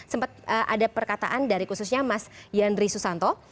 sempat ada perkataan dari khususnya mas yandri susanto